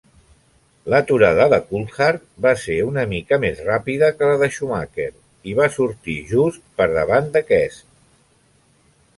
L'aturada de Coulthard va ser una mica més ràpida que la de Schumacher, i va sortir just per davant d'aquest.